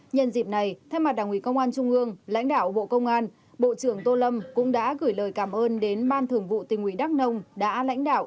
nhân dịp này thay mặt đảng ủy công an trung ương lãnh đạo bộ công an bộ trưởng tô lâm cũng đã gửi lời cảm ơn đến ban thường vụ tình ủy đắc nông đã lãnh đạo